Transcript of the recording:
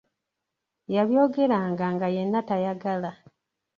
Yabyogeranga nga yenna tayagala.